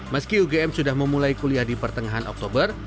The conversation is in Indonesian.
meski ugm sudah memulai kuliah di pertengahan oktober